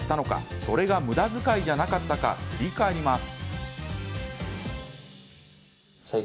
どんなものを買ったのかそれがむだづかいじゃなかったか振り返ります。